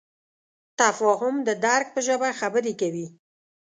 تفاهم د درک په ژبه خبرې کوي.